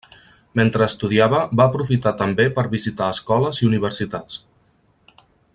Mentre estudiava, va aprofitar també, per visitar Escoles i Universitats.